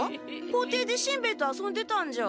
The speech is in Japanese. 校庭でしんべヱと遊んでたんじゃ？